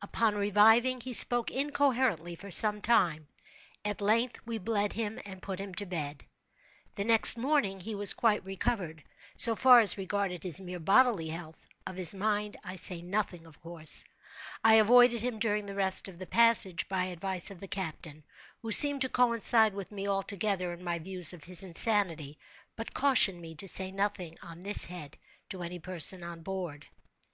Upon reviving he spoke incoherently for some time. At length we bled him and put him to bed. The next morning he was quite recovered, so far as regarded his mere bodily health. Of his mind I say nothing, of course. I avoided him during the rest of the passage, by advice of the captain, who seemed to coincide with me altogether in my views of his insanity, but cautioned me to say nothing on this head to any person on board.